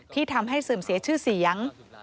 ที่ทำให้เสื่อมเสียชื่อเสียง